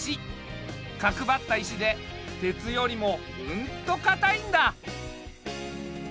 角ばった石で鉄よりもうんと硬いんだ。